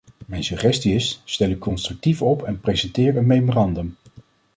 Mijn suggestie is: stel u constructief op en presenteer een memorandum.